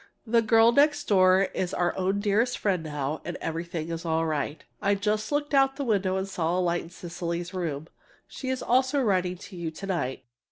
The "girl next door" is our own dearest friend now, and everything is all right. I just looked out of the window and saw a light in Cecily's room. She's also writing to you to night.